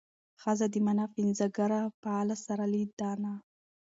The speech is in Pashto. ښځه د مانا پنځګره فاعله سرلې ده نه